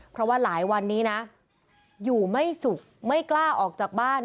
เพราะว่าหลายวันนี้นะอยู่ไม่สุขไม่กล้าออกจากบ้าน